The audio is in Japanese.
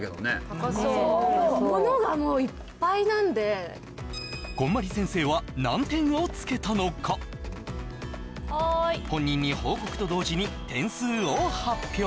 高そうこんまり先生は何点をつけたのか本人に報告と同時に点数を発表